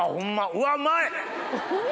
うわっうまい！